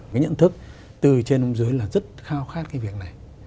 cái nhận thức từ trên ông dưới là rất khao khát cái việc này